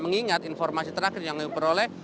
mengingat informasi terakhir yang diperoleh